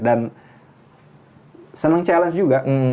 dan seneng challenge juga